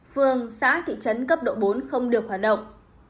phường xã thị trấn cấp độ bốn không được hoạt động